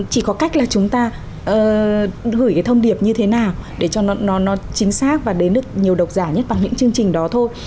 chỉ có cách là chúng ta gửi cái thông điệp như thế nào để cho nó chính xác và đến được nhiều độc giả nhất bằng những chương trình đó thôi